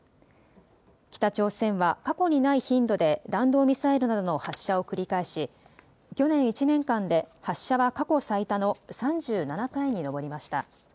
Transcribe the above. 北朝鮮は過去にない頻度で弾道ミサイルなどの発射を繰り返し去年１年間で発射は過去最多の３７回に上りました。